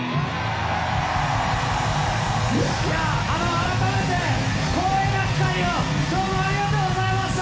改めて光栄な機会をどうもありがとうございました！